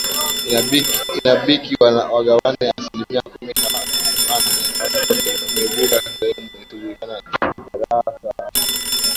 inabiki wagawane asilimia kumi na nane watu wameibuka sehemu isiyojulikana Darassa amenda